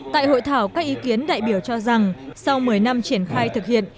tại hội thảo các ý kiến đại biểu cho rằng sau một mươi năm triển khai thực hiện